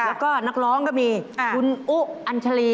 แล้วก็นักร้องก็มีคุณอุ๊อัญชาลี